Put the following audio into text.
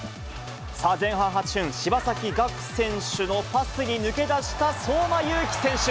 さあ、前半８分、柴崎岳選手のパスに抜け出した相馬勇紀選手。